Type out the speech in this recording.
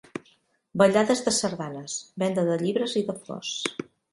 Ballades de sardanes, venda de llibres i de flors.